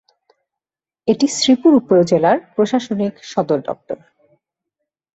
এটি শ্রীপুর উপজেলার প্রশাসনিক সদরদপ্তর।